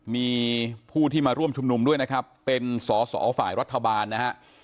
มีผู้ที่มาร่วมชุมนุมด้วยนะครับเป็นสอสอฝ่ายรัฐบาลนะฮะ